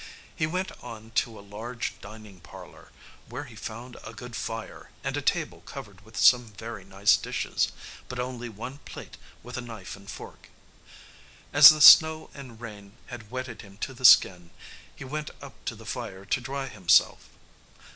He went on to a large dining parlor, where he found a good fire, and a table covered with some very nice dishes, but only one plate with a knife and fork. As the snow and rain had wetted him to the skin, he went up to the fire to dry himself.